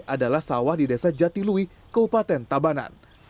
adalah sawah di desa jatilui keupatan tabanan